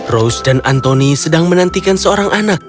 rose dan antoni sedang menantikan seorang anak